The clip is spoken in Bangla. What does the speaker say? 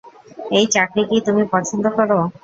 এই চাকরি কি তুমি পছন্দ কর?